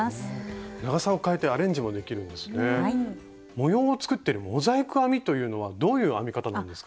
模様を作ってるモザイク編みというのはどういう編み方なんですか？